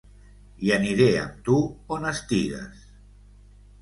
I aniré amb tu on estigues.